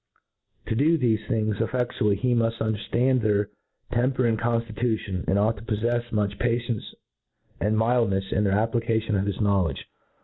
To do thcfe tilings ;effcaually, he muft imderftand their tern * per and conftitutjon, and ought to poffcfs much patience and mildnefs in. the application of his knowledge.